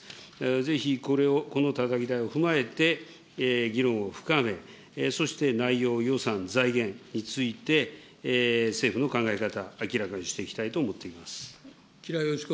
ぜひ、このたたき台を踏まえて議論を深め、そして内容、予算、財源について、政府の考え方、明らかにしていきたいと思っています。